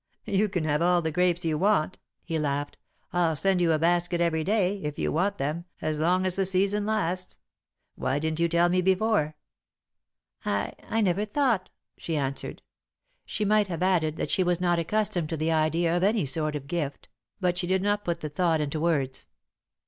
"You can have all the grapes you want," he laughed. "I'll send you a basket every day, if you want them, as long as the season lasts. Why didn't you tell me before?" "I I never thought," she answered. She might have added that she was not accustomed to the idea of any sort of gift, but she did not put the thought into words.